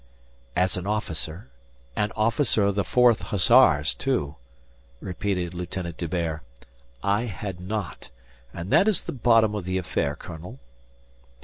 "As an officer, an officer of the Fourth Hussars, too," repeated Lieutenant D'Hubert, "I had not. And that is the bottom of the affair, colonel."